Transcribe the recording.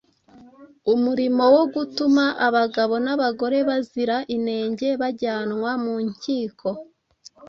Umurimo wo gutuma abagabo n’abagore bazira inenge bajyanwa mu nkiko